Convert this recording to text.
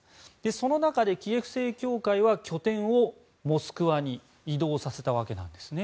その中でキエフ正教会は拠点をモスクワに移動させたわけなんですね。